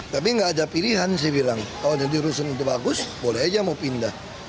tapi nggak ada pilihan saya bilang kalau jadi rusun itu bagus boleh aja mau pindah